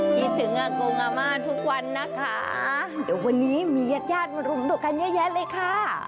คิดถึงอากงอาม่าทุกวันนะคะเดี๋ยววันนี้มีญาติญาติมารวมตัวกันเยอะแยะเลยค่ะ